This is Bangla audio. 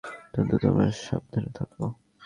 অন্তত, তোমরা সাবধানে থাকো।